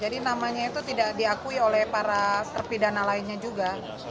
jadi namanya itu tidak diakui oleh para terpidana lainnya juga